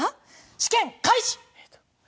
試験開始！